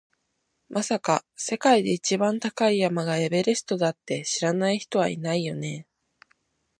まさか、世界で一番高い山がエベレストだって知らない人はいないよね？